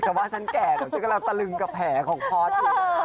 เธอจะว่าฉันแก่จะกำลังตะลึงกับแผ่ของพอสดีกว่า